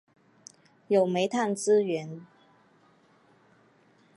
有煤炭资源。